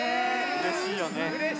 うれしいね。